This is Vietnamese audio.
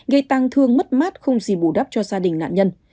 gây tăng thương mất mát không gì bù đắp cho gia đình nạn nhân